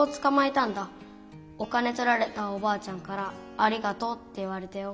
お金とられたおばあちゃんから「ありがとう」って言われたよ。